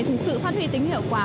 thực sự phát huy tính hiệu quả